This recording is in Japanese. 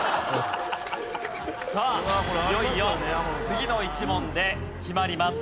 さあいよいよ次の１問で決まります。